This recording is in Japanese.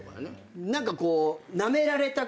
何かこう。